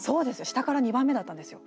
下から２番目だったんですよ。